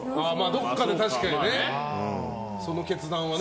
どこかで確かにねその決断をね。